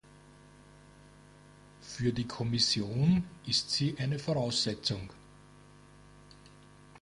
Für die Kommission ist sie eine Voraussetzung.